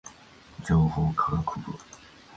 情報科学部